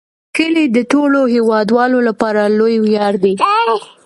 کلي د ټولو هیوادوالو لپاره لوی ویاړ دی.